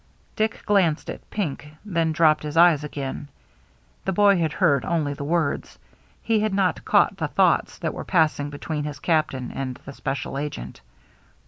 Dick glanced at Pink, then dropped his eyes again. The boy had heard only the words; he had not caught the thoughts that were pass ing between his captain and the special agent.